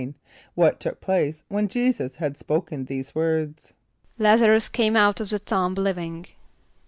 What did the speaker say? = What took place when J[=e]´[s+]us had spoken these words? =L[)a]z´a r[)u]s came out of the tomb living.